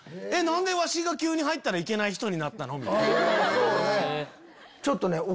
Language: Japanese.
何でわしが急に入ったらいけない人になったの？